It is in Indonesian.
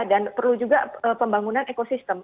dan perlu juga pembangunan ekosistem